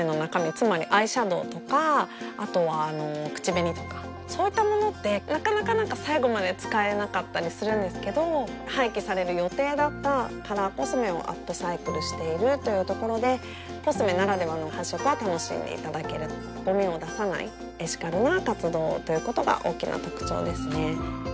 つまりアイシャドウとかあとはあの口紅とかそういったものってなかなかなんか最後まで使えなかったりするんですけど廃棄される予定だったカラーコスメをアップサイクルしているというところでコスメならではの発色を楽しんでいただけるゴミを出さないエシカルな活動ということが大きな特徴ですね